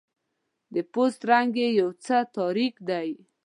د پوست رنګ یې یو څه تاریک دی.